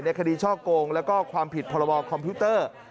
ในคดีช่อกงและความผิดพรวมคอมพิวเตอร์